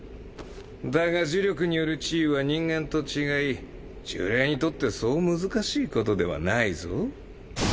だが呪力による治癒は人間と違い呪霊にとってそう難しいことではないぞ。